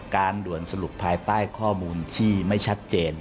ด่วนสรุปภายใต้ข้อมูลที่ไม่ชัดเจน